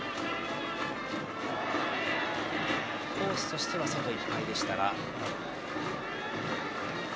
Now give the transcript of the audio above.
コースとしては外いっぱいでした。